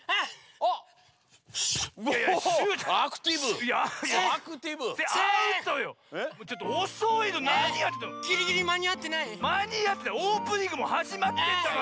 オープニングはじまってんだから！